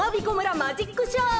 マジックショー。